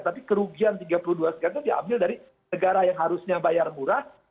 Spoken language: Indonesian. tapi kerugian tiga puluh dua sekian itu diambil dari negara yang harusnya bayar murah